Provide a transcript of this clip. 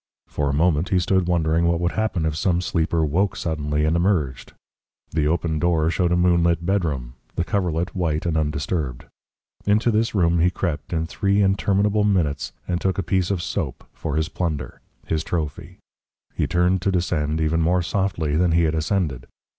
For a moment he stood wondering what would happen if some sleeper woke suddenly and emerged. The open door showed a moonlit bedroom, the coverlet white and undisturbed. Into this room he crept in three interminable minutes and took a piece of soap for his plunder his trophy. He turned to descend even more softly than he had ascended.